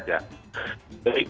jadi untuk berwakil